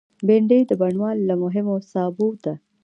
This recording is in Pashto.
بېنډۍ د بڼوال له مهمو سابو ده